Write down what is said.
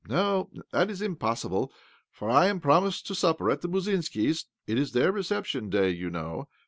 " No, that is impossible, for I am promised to supper at the Musinskis'. It is their reception duy, you know.